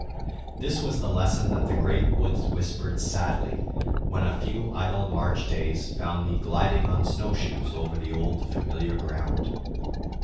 This was the lesson that the great woods whispered sadly when a few idle March days found me gliding on snowshoes over the old familiar ground.